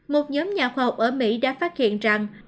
một nhóm nhà khoa học ở mỹ đã phát hiện rằng